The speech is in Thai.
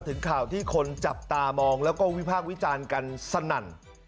ถึงข่าวที่คนจับตามองแล้วก็วิพากษ์วิจารณ์กันสนั่น